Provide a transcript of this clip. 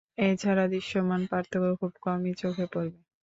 এ ছাড়া দৃশ্যমান পার্থক্য খুব কমই চোখে পড়বে।